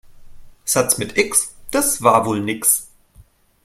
Satz mit X, das war wohl nix.